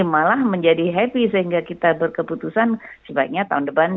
malah menjadi happy sehingga kita berkeputusan sebaiknya tahun depan